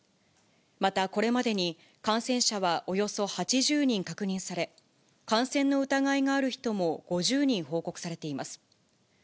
また、これまでに感染者はおよそ８０人確認され、感染の疑いがある人も５０人報告されています。